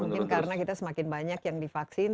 mungkin karena kita semakin banyak yang divaksin